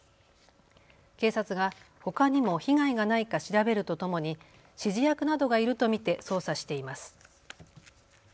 警察がほかにも被害がないか調べるとともに指示役などがいると見て捜査しています。